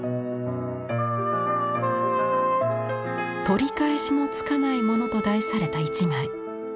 「取り返しのつかないもの」と題された一枚。